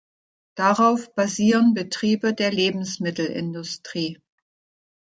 Darauf basieren Betriebe der Lebensmittelindustrie.